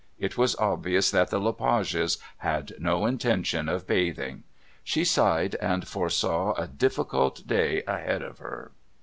It was obvious that the Le Pages had no intention of bathing. She sighed and foresaw a difficult day ahead of her.